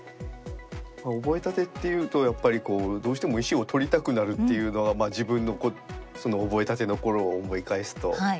覚えたてっていうとやっぱりどうしても石を取りたくなるっていうのが自分の覚えたての頃を思い返すと。